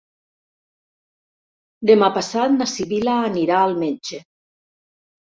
Demà passat na Sibil·la anirà al metge.